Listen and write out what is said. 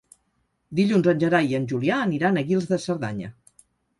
Dilluns en Gerai i en Julià aniran a Guils de Cerdanya.